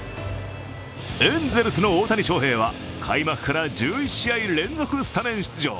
エンゼルスの大谷翔平は開幕から１１試合連続スタメン出場。